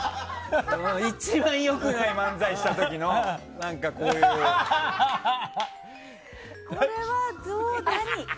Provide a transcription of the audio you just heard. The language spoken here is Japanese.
一番良くない漫才した時のこれは、どうですか？